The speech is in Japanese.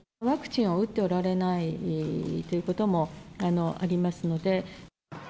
ワクチンを打っておられないということもありますので。